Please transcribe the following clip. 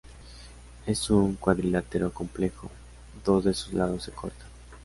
En un cuadrilátero complejo, dos de sus lados se cortan.